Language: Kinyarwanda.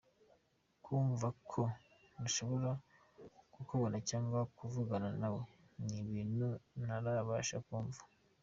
Kumva ko ntashobora kukubona cyangwa kuvugana na we, ni ibintu ntarabasha kumva.